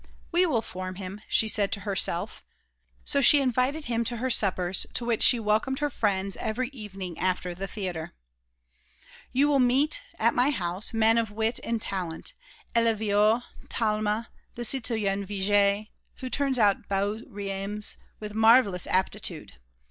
"We will form him," she said to herself. So she invited him to her suppers to which she welcomed her friends every evening after the theatre. "You will meet at my house men of wit and talent, Elleviou, Talma, the citoyen Vigée, who turns bouts rimés with a marvellous aptitude.